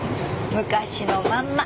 昔のまんま。